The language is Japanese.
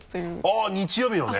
あっ日曜日のね。